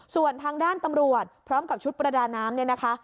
ส่วนทางด้านตำรวจพร้อมกับชุดประดาน้ำเนี่ยนะคะ